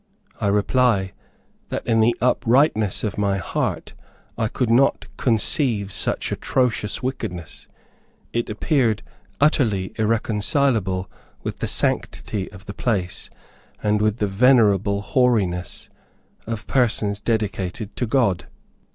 I reply, that in the uprightness of my heart, I could not conceive such atrocious wickedness; it appeared utterly irreconcilable with the sanctity of the place, and with the venerable hoariness of persons dedicated to God.